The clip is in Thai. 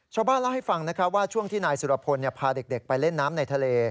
ชาวบ้านเล่าให้ฟังนะครับว่าช่วงที่นายสุรพลพาเด็กไปเล่นน้ำในทะเล